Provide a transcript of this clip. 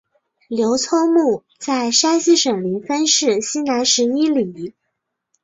刘聪墓在山西省临汾市西南十一里。